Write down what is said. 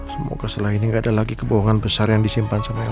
semoga setelah ini gak ada lagi kebohongan besar yang disimpan sama elsa